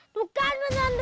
tuh kan menyerang rantau